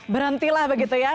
berhenti lah begitu ya